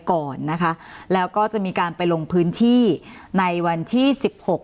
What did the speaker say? ก่อนนะคะแล้วก็จะมีการไปลงพื้นที่ในวันที่สิบหก